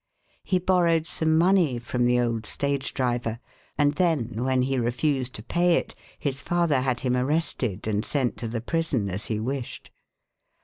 He borrowed some money from the old stage driver, and then when he refused to pay it, his father had him arrested and sent to the prison as he wished.